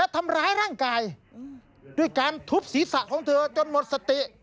ทุบศีรษะของเธอจนหมดสติ